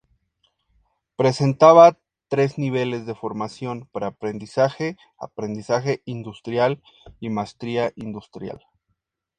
Presentaba tres niveles de formación: pre-aprendizaje, aprendizaje industrial y maestría industrial.